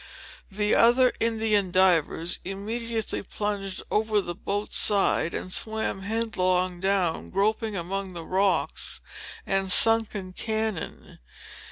The other Indian divers immediately plunged over the boat's side, and swam headlong down, groping among the rocks and sunken cannon.